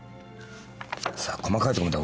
さあ細かいとこまでは。